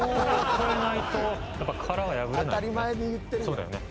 そうだよね。